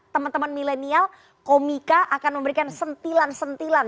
teman teman milenial komika akan memberikan sentilan sentilan